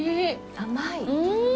甘い。